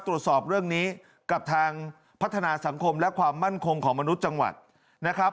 ตรวจสอบเรื่องนี้กับทางพัฒนาสังคมและความมั่นคงของมนุษย์จังหวัดนะครับ